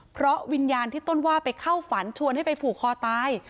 เพราะวิญญาณที่ต้นว่าไปเข้าฝันชวนให้ไปผูกคอตาย